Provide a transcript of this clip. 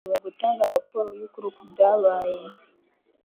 Urashobora gutanga raporo yukuri kubyabaye?